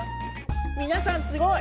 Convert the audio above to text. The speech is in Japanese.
みなさんすごい！